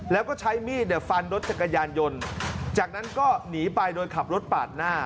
แล้วก็ใช้มีดฟันรถจักรยานยนต์จากนั้นก็หนีไปโดยขับรถปาดหน้า